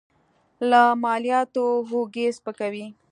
له مالیاتو اوږې سپکوي.